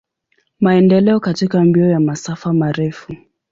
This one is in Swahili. Maendeleo katika mbio ya masafa marefu.